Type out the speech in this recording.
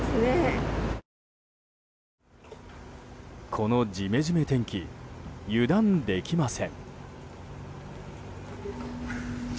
このジメジメ天気油断できません。